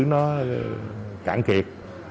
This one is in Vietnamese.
nó cạn kiệt